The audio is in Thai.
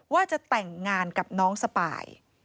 ว่าจะแต่งงานกับน้องสปาย